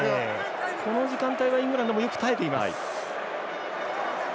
この時間帯はイングランドよく耐えています。